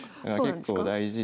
結構大事で。